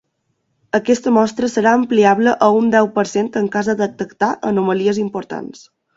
Aquesta mostra serà ampliable a un deu per cent en cas de detectar anomalies importants.